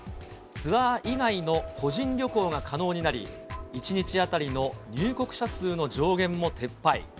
ツアー以外の個人旅行が可能になり、１日当たりの入国者数の上限も撤廃。